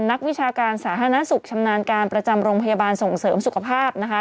นักวิชาการสาธารณสุขชำนาญการประจำโรงพยาบาลส่งเสริมสุขภาพนะคะ